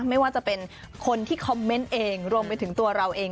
ไม่ว่าจะเป็นคนที่คอมเมนต์เองรวมไปถึงตัวเราเอง